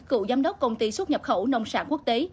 cựu giám đốc công ty xuất nhập khẩu nông sản quốc tế